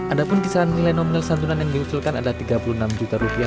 ada pun kisaran nilai nominal santunan yang diusulkan ada tiga puluh enam juta rupiah